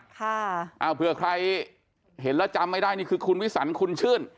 ค่ะอ้าวเผื่อใครเห็นแล้วจำไม่ได้นี่คือคุณวิสันคุณชื่น